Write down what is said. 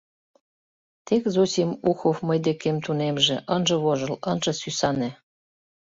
«Тек Зосим Ухов мый декем тунемже, ынже вожыл, ынже сӱсане.